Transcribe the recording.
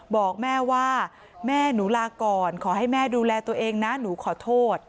บอกแม่ว่าแม่หนูลาก่อนขอให้แม่ดูแลตัวเองนะหนูขอโทษ